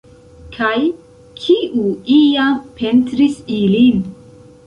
Kaj kiu iam pentris ilin?